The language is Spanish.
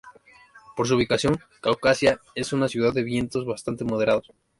Por su ubicación, Caucasia es una ciudad de vientos bastante moderados.